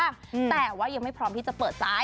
แต่ว่ายังไม่พร้อมที่จะเปิดใจ